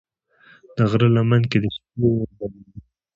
د غره لمن کې د شپې اور بلېږي.